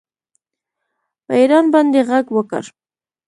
په ایران باندې غږ وکړ